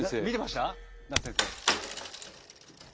見てました？